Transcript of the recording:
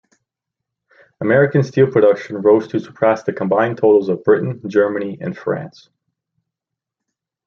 American steel production rose to surpass the combined totals of Britain, Germany, and France.